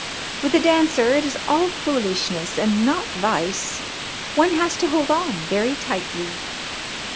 "With The Dancer it is all foolishness and not vice. One has to hold on very tightly.